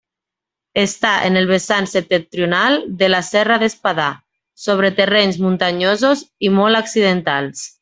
Està en el vessant septentrional de la serra d'Espadà, sobre terrenys muntanyosos i molt accidentals.